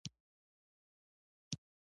ملک صاحب د ماشومانو خویونه کوي په ښوراو مرورېږي.